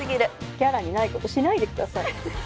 キャラにないことしないで下さい。